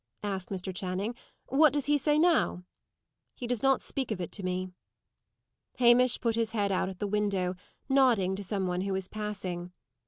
asked Mr. Channing. "What does he say now?" "He does not speak of it to me." Hamish put his head out at the window, nodding to some one who was passing.